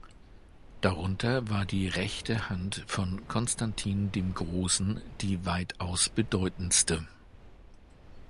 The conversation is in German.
Darunter war die Rechte Hand von Konstantin dem Großen die weitaus bedeutendste.